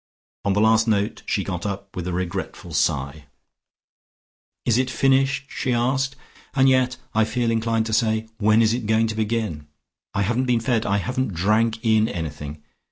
On the last note she got up with a regretful sigh. "Is it finished?" she asked. "And yet I feel inclined to say 'When is it going to begin?' I haven't been fed; I haven't drank in anything.